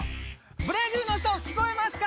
ブラジルの人聞こえますか？